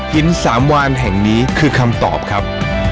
หินสามวานแห่งนี้คือคำตอบครับ